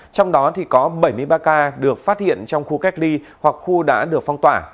trong đó có bảy mươi ba ca được phát hiện trong khu cách ly hoặc khu đã được phong tỏa